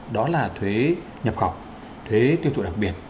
đó là thuế nhập khẩu thuế tiêu thụ đặc biệt